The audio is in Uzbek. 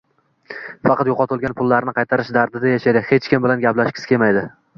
Faqat yoʻqotilgan pullarni qaytarish dardida yashaydi, hech kim bilan gaplashgisi kelmaydi